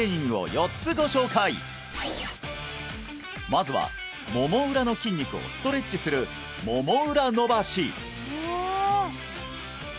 まずはもも裏の筋肉をストレッチするもも